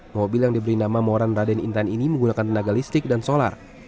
mobil yang diberi nama moran raden intan ini menggunakan tenaga listrik dan solar